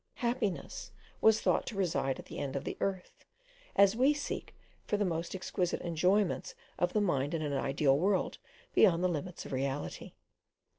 Happiness was thought to reside at the end of the earth, as we seek for the most exquisite enjoyments of the mind in an ideal world beyond the limits of reality.